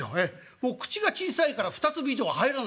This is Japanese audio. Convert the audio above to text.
もう口が小さいから２粒以上は入らない。